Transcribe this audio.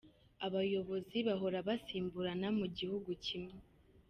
Abayobozi bahora basimburana mu gihugu kimwe .